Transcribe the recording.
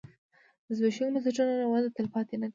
د زبېښونکو بنسټونو وده تلپاتې نه ده.